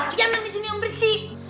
liat dong disini yang bersih